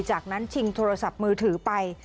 จากนั้นชิงโทรศัพท์มือถือไป